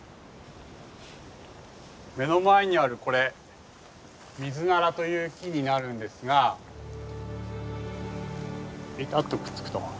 目の前にあるこれミズナラという木になるんですがベタッとくっつくと。